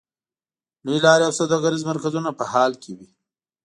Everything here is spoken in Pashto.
لویې لارې او سوداګریز مرکزونه په حال کې وې.